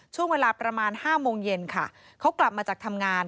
ช่วงเวลาประมาณ๕โมงเย็นค่ะเขากลับมาจากทำงาน